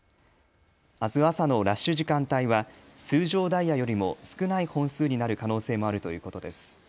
あす朝のラッシュ時間帯は通常ダイヤよりも少ない本数になる可能性もあるということです。